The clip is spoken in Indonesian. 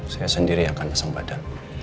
saya sendiri akan pasang badan